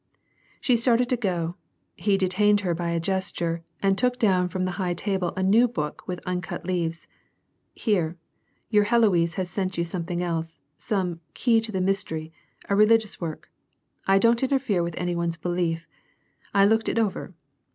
She started to go ; he detained her by a gesture, and took down fiom the high table a new book with uncut leaves. "Here, your Heloise has sent you something else; some 'Key to the Mystery,' a religious work. I don't interfere with any one's belief. 1 looked it over.